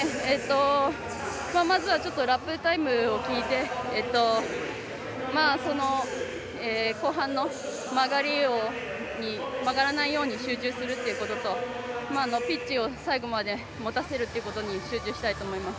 まずはラップタイムを聞いて後半に曲がらないように集中するっていうこととピッチを最後までもたせるっていうことに集中したいと思います。